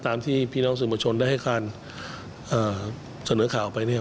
ตามที่พี่น้องสื่อมวลชนได้ให้การเสนอข่าวไปเนี่ย